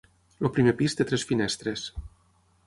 El primer pis té tres finestres.